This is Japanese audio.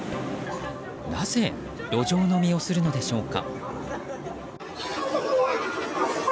なぜ路上飲みをするのでしょうか。